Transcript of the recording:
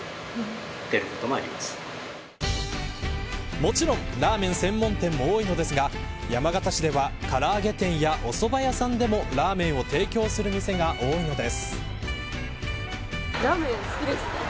もちろんラーメン専門店も多いのですが山形市では、から揚げ店やおそば屋さんでもラーメンを提供する店が多いのです。